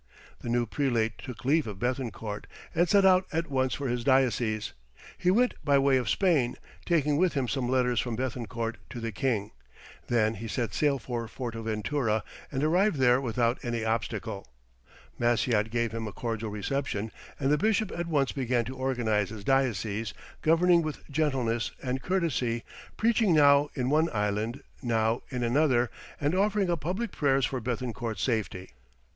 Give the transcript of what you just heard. The new prelate took leave of Béthencourt, and set out at once for his diocese. He went by way of Spain, taking with him some letters from Béthencourt to the king. Then he set sail for Fortaventura and arrived there without any obstacle. Maciot gave him a cordial reception, and the bishop at once began to organize his diocese, governing with gentleness and courtesy, preaching now in one island, now in another, and offering up public prayers for Béthencourt's safety.